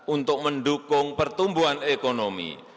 untuk mendukung pertumbuhan ekonomi